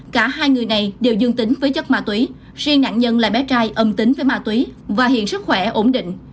cả hai người này đều dương tính với chất ma túy riêng nạn nhân là bé trai âm tính với ma túy và hiện sức khỏe ổn định